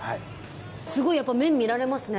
すごいやっぱ麺見られますね。